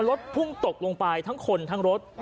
รถพุ่งตกลงไปทั้งคนทั้งรถ